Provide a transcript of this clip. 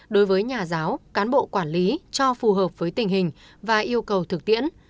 đối với nhà giáo cán bộ quản lý cho phù hợp với tình hình và yêu cầu thực tiễn